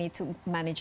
oke ini menarik